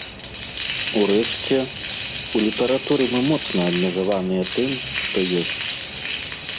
Урэшце, у літаратуры мы моцна абмежаваныя тым, што ёсць.